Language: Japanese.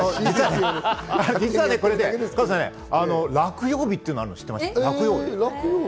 実はこれ、落葉日ってあるの知ってました？